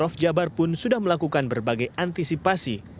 prof jabar pun sudah melakukan berbagai antisipasi